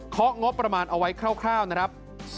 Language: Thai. งบประมาณเอาไว้คร่าวนะครับ